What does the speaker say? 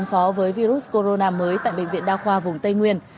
phó với virus corona mới tại bệnh viện đa khoa vùng tây nguyên